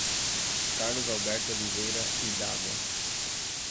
Carlos Alberto Oliveira Idagua